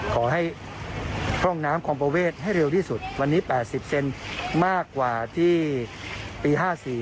ขอให้พร่องน้ำคอมประเวทให้เร็วที่สุดวันนี้๘๐เซนมากกว่าที่ปี๕๔